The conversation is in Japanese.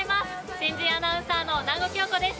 新人アナウンサーの南後杏子です。